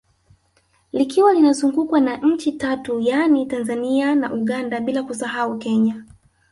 Likiwa linazungukwa na nchi Tatu yani Tanzania na Uganda bila kusahau Kenya